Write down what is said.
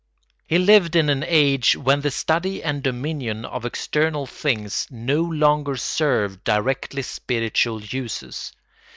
He lived in an age when the study and dominion of external things no longer served directly spiritual uses.